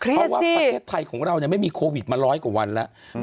เพราะว่าประเทศไทยของเราไม่มีโควิดมาร้อยกว่าวันแล้ว